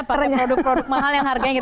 pada produk produk mahal yang harganya gitu